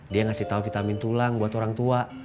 dia ngasih tahu vitamin tulang buat orang tua